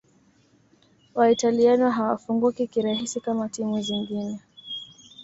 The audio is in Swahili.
Waitaliano hawafungiki kirahisi kama timu zingine